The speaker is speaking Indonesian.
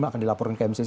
akan dilaporin ke mcc